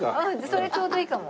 それちょうどいいかも。